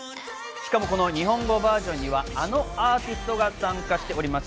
しかもこの日本語バージョンにはあのアーティストが参加しております。